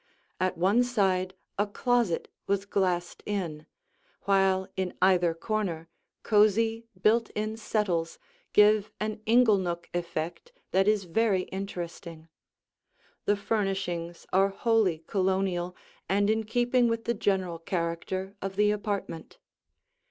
At one side a closet was glassed in, while in either corner cosy, built in settles give an inglenook effect that is very interesting. The furnishings are wholly Colonial and in keeping with the general character of the apartment.